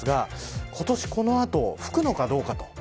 今年この後吹くのかどうかと。